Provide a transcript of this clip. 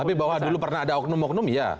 tapi bahwa dulu pernah ada oknum oknum ya